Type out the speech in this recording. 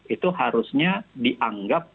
itu harusnya dianggap